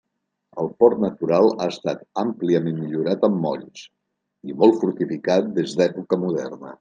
El port natural ha estat àmpliament millorat amb molls, i molt fortificat des d'època moderna.